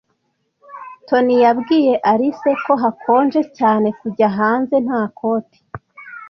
Toni yabwiye Alice ko hakonje cyane kujya hanze nta koti.